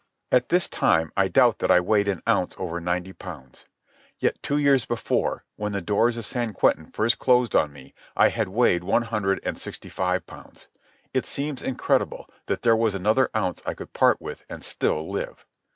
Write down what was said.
At this time I doubt that I weighed an ounce over ninety pounds. Yet, two years before, when the doors of San Quentin first closed on me, I had weighed one hundred and sixty five pounds. It seems incredible that there was another ounce I could part with and still live.